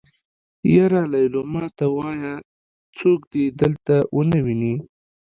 يره ليلما ته وايه څوک دې دلته ونه ويني.